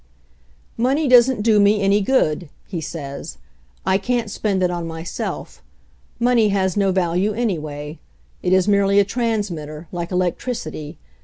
"Money doesn't do me any good," he says. "I can't spend it on myself. Money has no value, anyway. It is merely a transmitter, like elec tricity.